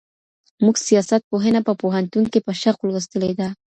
موږ سياست پوهنه په پوهنتون کي په شوق لوستلې ده.